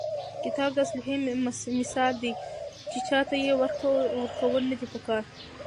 کتاب د اسلحې مثال لري، چي چا ته ئې ورکول نه دي په کار.